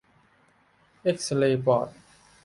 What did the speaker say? เอกซเรย์ปอด